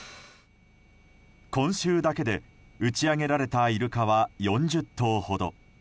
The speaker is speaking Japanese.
今週だけで打ち揚げられたイルカは４０頭ほど。